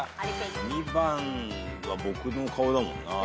２番は僕の顔だもんな。